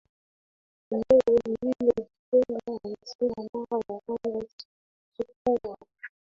eneo lililojitenga amesema Mara ya kwanza sikuwa